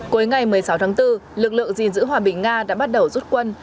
cuối ngày một mươi sáu tháng bốn lực lượng gìn giữ hòa bình nga đã bắt đầu rút quân